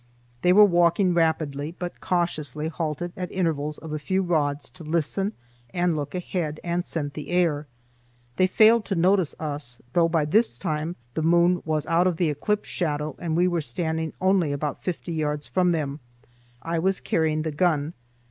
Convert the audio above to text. They were walking rapidly, but cautiously halted at intervals of a few rods to listen and look ahead and scent the air. They failed to notice us, though by this time the moon was out of the eclipse shadow and we were standing only about fifty yards from them. I was carrying the gun.